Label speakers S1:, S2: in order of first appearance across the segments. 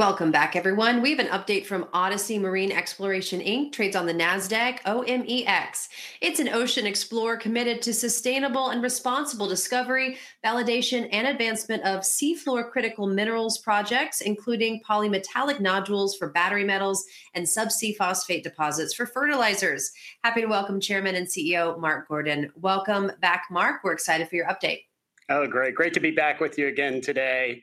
S1: Welcome back, everyone. We have an update from Odyssey Marine Exploration Inc. Trades on the NASDAQ, OMEX. It's an ocean explorer committed to sustainable and responsible discovery, validation, and advancement of seafloor critical minerals projects, including polymetallic nodules for battery metals and subsea phosphate deposits for fertilizers. Happy to welcome Chairman and CEO Mark Gordon. Welcome back, Mark. We're excited for your update.
S2: Oh, great. Great to be back with you again today.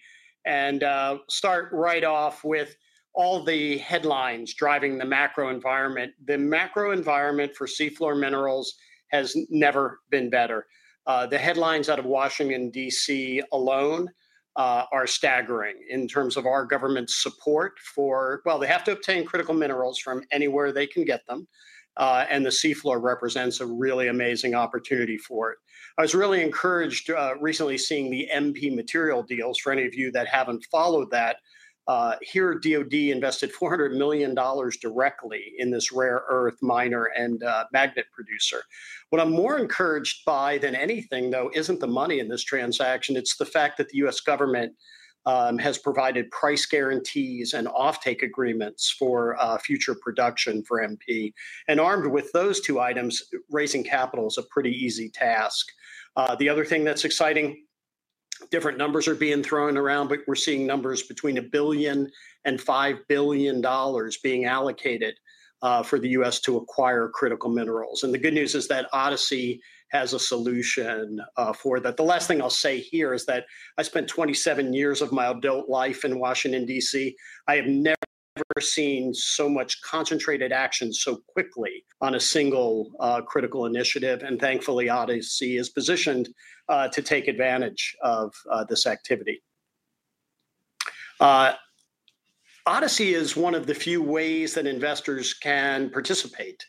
S2: Start right off with all the headlines driving the macro environment. The macro environment for seafloor minerals has never been better. The headlines out of Washington, D.C. alone are staggering in terms of our government's support for, well, they have to obtain critical minerals from anywhere they can get them. The seafloor represents a really amazing opportunity for it. I was really encouraged recently seeing the MP Materials deals. For any of you that haven't followed that, here, the Department of Defense invested $400 million directly in this rare earth miner and magnet producer. What I'm more encouraged by than anything, though, isn't the money in this transaction. It's the fact that the U.S. government has provided price guarantees and offtake agreements for future production for MP Materials. Armed with those two items, raising capital is a pretty easy task. The other thing that's exciting, different numbers are being thrown around, but we're seeing numbers between $1 billion and $5 billion being allocated for the U.S. to acquire critical minerals. The good news is that Odyssey has a solution for that. The last thing I'll say here is that I spent 27 years of my adult life in Washington, D.C. I have never seen so much concentrated action so quickly on a single critical initiative. Thankfully, Odyssey is positioned to take advantage of this activity. Odyssey is one of the few ways that investors can participate.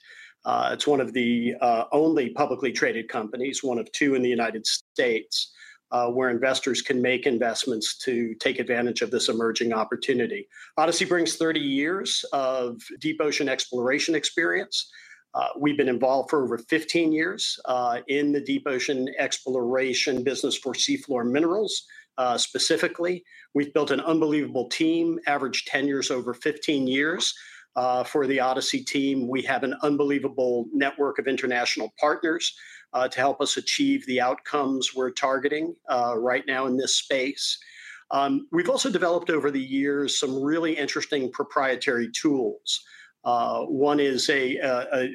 S2: It's one of the only publicly traded companies, one of two in the United States, where investors can make investments to take advantage of this emerging opportunity. Odyssey brings 30 years of deep ocean exploration experience. We've been involved for over 15 years in the deep ocean exploration business for seafloor minerals specifically. We've built an unbelievable team, average tenures over 15 years for the Odyssey team. We have an unbelievable network of international partners to help us achieve the outcomes we're targeting right now in this space. We've also developed over the years some really interesting proprietary tools. One is a,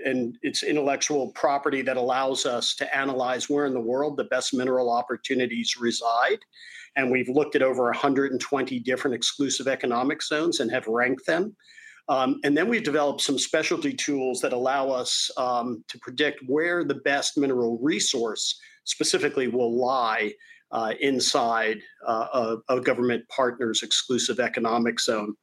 S2: and it's intellectual property that allows us to analyze where in the world the best mineral opportunities reside. We've looked at over 120 different exclusive economic zones and have ranked them. And then we've developed some specialty tools that allow us to predict where the best mineral resource specifically will lie inside a government partner's exclusive economic zone.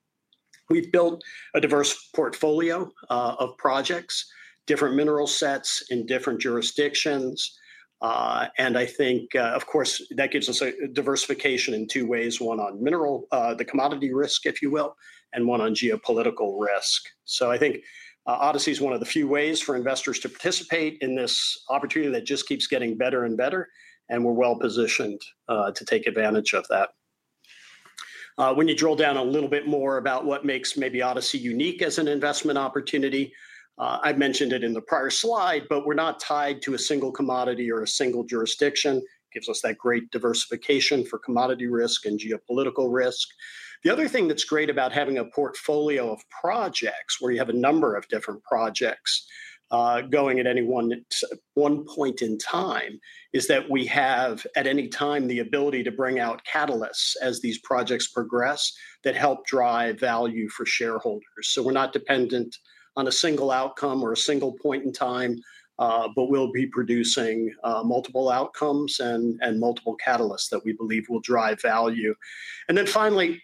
S2: We've built a diverse portfolio of projects, different mineral sets in different jurisdictions. I think, of course, that gives us a diversification in two ways: one on mineral, the commodity risk, if you will, and one on geopolitical risk. I think Odyssey is one of the few ways for investors to participate in this opportunity that just keeps getting better and better. We're well positioned to take advantage of that. When you drill down a little bit more about what makes maybe Odyssey unique as an investment opportunity, I mentioned it in the prior slide, but we're not tied to a single commodity or a single jurisdiction. It gives us that great diversification for commodity risk and geopolitical risk. The other thing that's great about having a portfolio of projects where you have a number of different projects going at any one point in time is that we have at any time the ability to bring out catalysts as these projects progress that help drive value for shareholders. We're not dependent on a single outcome or a single point in time, but we'll be producing multiple outcomes and multiple catalysts that we believe will drive value. Finally,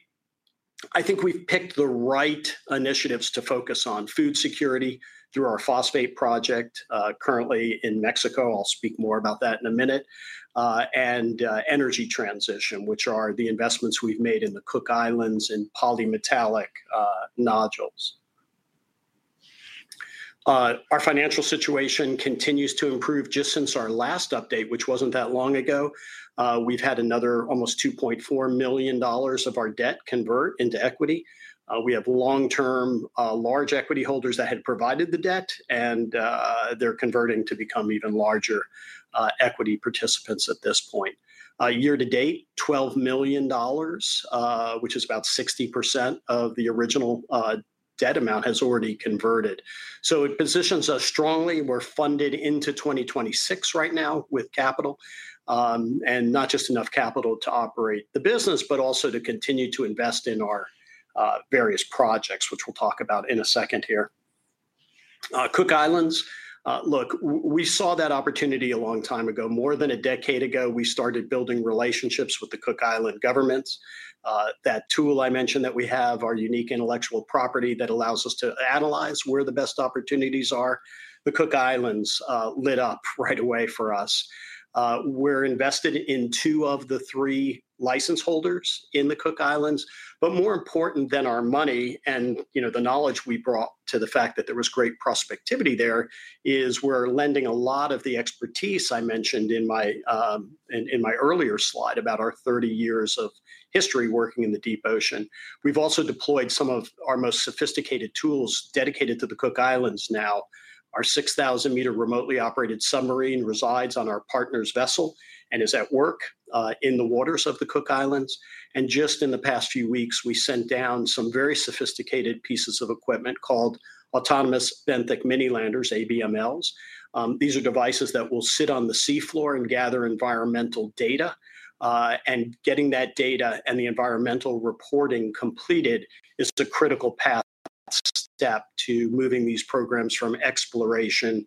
S2: I think we've picked the right initiatives to focus on food security through our phosphate project, currently in Mexico. I'll speak more about that in a minute, and energy transition, which are the investments we've made in the Cook Islands and polymetallic nodules. Our financial situation continues to improve. Just since our last update, which wasn't that long ago, we've had another almost $2.4 million of our debt convert into equity. We have long-term, large equity holders that had provided the debt, and they're converting to become even larger equity participants at this point. Year to date, $12 million, which is about 60% of the original debt amount, has already converted. It positions us strongly. We're funded into 2026 right now with capital, and not just enough capital to operate the business, but also to continue to invest in our various projects, which we'll talk about in a second here. Cook Islands. Look, we saw that opportunity a long time ago. More than a decade ago, we started building relationships with the Cook Islands governments. That tool I mentioned that we have, our unique intellectual property that allows us to analyze where the best opportunities are, the Cook Islands lit up right away for us. We're invested in two of the three license holders in the Cook Islands. More important than our money and the knowledge we brought to the fact that there was great prospectivity there is we're lending a lot of the expertise I mentioned in my earlier slide about our 30 years of history working in the deep ocean. We've also deployed some of our most sophisticated tools dedicated to the Cook Islands now. Our 6,000-meter remotely operated submarine resides on our partner's vessel and is at work in the waters of the Cook Islands. In the past few weeks, we sent down some very sophisticated pieces of equipment called autonomous benthic mini landers, ABMLs. These are devices that will sit on the seafloor and gather environmental data. Getting that data and the environmental reporting completed is the critical path step to moving these programs from exploration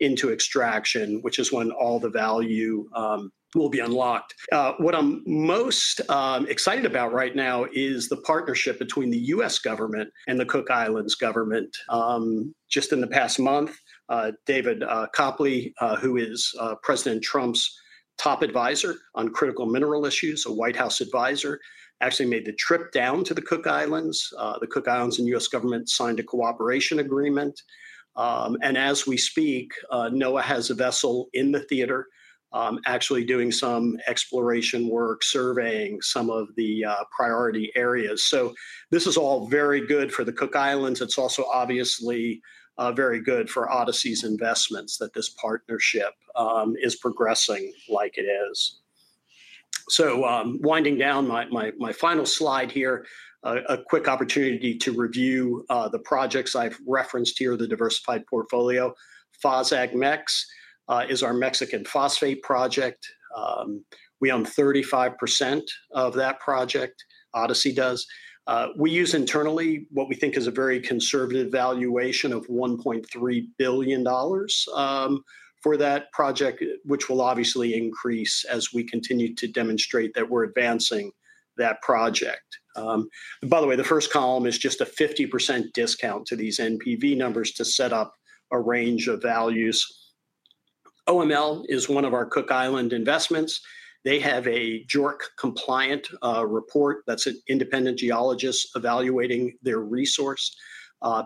S2: into extraction, which is when all the value will be unlocked. What I'm most excited about right now is the partnership between the U.S. government and the Cook Islands government. In the past month, David Copley, who is President Trump's top advisor on critical mineral issues, a White House advisor, actually made the trip down to the Cook Islands. The Cook Islands and U.S. government signed a cooperation agreement. As we speak, NOAA has a vessel in the theater actually doing some exploration work, surveying some of the priority areas. This is all very good for the Cook Islands. It's also obviously very good for Odyssey's investments that this partnership is progressing like it is. Winding down my final slide here, a quick opportunity to review the projects I've referenced here, the diversified portfolio. FOSACMEX is our Mexican phosphate project. We own 35% of that project. Odyssey does. We use internally what we think is a very conservative valuation of $1.3 billion for that project, which will obviously increase as we continue to demonstrate that we're advancing that project. By the way, the first column is just a 50% discount to these NPV numbers to set up a range of values. OML is one of our Cook Island investments. They have a JORC-compliant report that's an independent geologist evaluating their resource,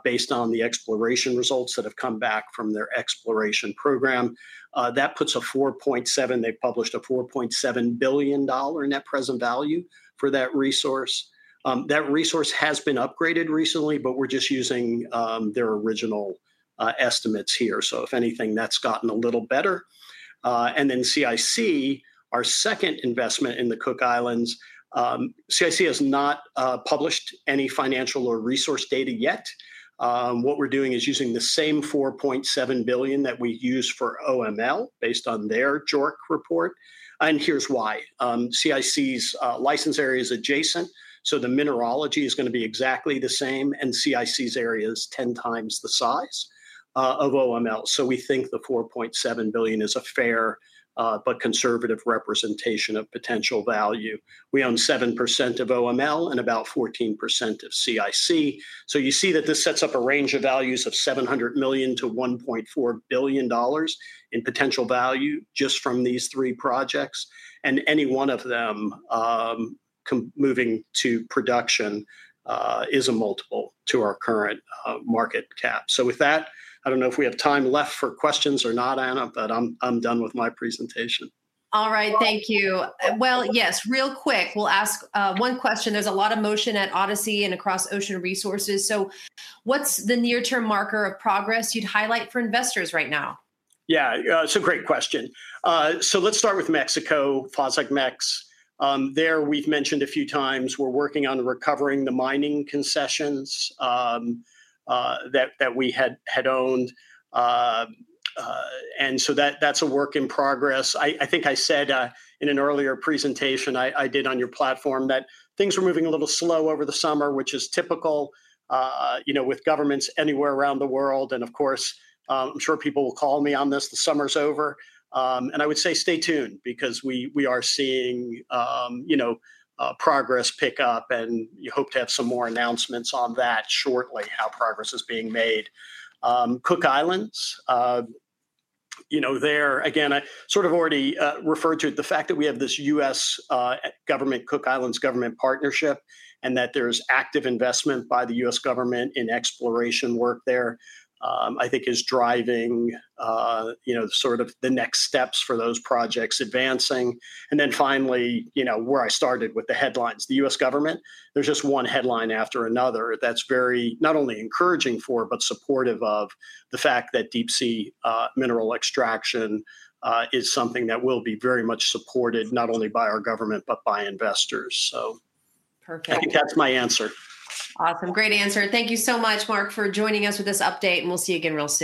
S2: based on the exploration results that have come back from their exploration program. That puts a $4.7 billion net present value for that resource. That resource has been upgraded recently, but we're just using their original estimates here. If anything, that's gotten a little better. CIC, our second investment in the Cook Islands, has not published any financial or resource data yet. What we're doing is using the same $4.7 billion that we use for OML based on their JORC-compliant resource report, and here's why. CIC's license area is adjacent, so the mineralogy is going to be exactly the same, and CIC's area is 10 times the size of OML. We think the $4.7 billion is a fair, but conservative representation of potential value. We own 7% of OML and about 14% of CIC. You see that this sets up a range of values of $700 million to $1.4 billion in potential value just from these three projects. Any one of them moving to production is a multiple to our current market cap. With that, I don't know if we have time left for questions or not, Anna, but I'm done with my presentation.
S1: All right. Thank you. Yes, real quick, we'll ask one question. There's a lot of motion at Odyssey and across ocean resources. What's the near-term marker of progress you'd highlight for investors right now?
S2: Yeah, it's a great question. Let's start with Mexico, FOSACMEX. There we've mentioned a few times we're working on recovering the mining concessions that we had owned, and that's a work in progress. I think I said in an earlier presentation I did on your platform that things are moving a little slow over the summer, which is typical, you know, with governments anywhere around the world. Of course, I'm sure people will call me on this. The summer's over, and I would say stay tuned because we are seeing progress pick up and you hope to have some more announcements on that shortly, how progress is being made. Cook Islands, there again, I sort of already referred to it, the fact that we have this U.S. government, Cook Islands government partnership and that there's active investment by the U.S. government in exploration work there. I think it's driving the next steps for those projects advancing. Finally, where I started with the headlines, the U.S. government, there's just one headline after another that's very not only encouraging for but supportive of the fact that deep sea mineral extraction is something that will be very much supported not only by our government but by investors.
S1: Perfect.
S2: I think that's my answer.
S1: Awesome. Great answer. Thank you so much, Mark, for joining us with this update, and we'll see you again really soon.